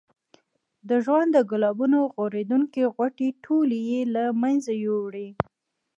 د ژوند د ګلابونو غوړېدونکې غوټۍ ټولې یې له منځه یوړې.